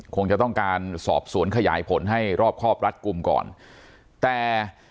คงจะต้องการสอบสวนขยายผลให้รอบครอบรัดกลุ่มก่อนแต่